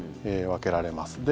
分けられます。